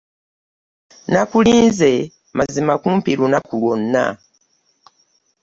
Nakulinze mazima kumpi lunaku lwonna.